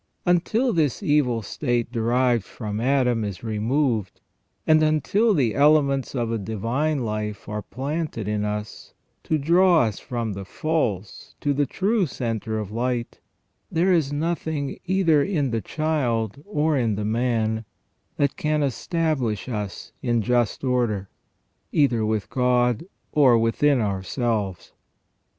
Until this evil state derived from Adam is removed, and until the elements of a divine life are planted in us, to draw us from the false to the true centre of light, there is nothing either in the child or in the man that can establish us in just order, either with God or within ourselves.